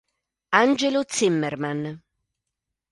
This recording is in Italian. Angelo Zimmerman